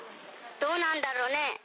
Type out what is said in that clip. どうなんだろうね。